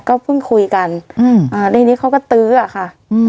ก็เพิ่งคุยกันอืมอ่าทีนี้เขาก็ตื้ออ่ะค่ะอืม